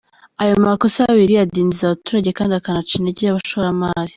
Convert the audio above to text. Ayo makosa abiri adindiza abaturage kandi akanaca intege abashoramari.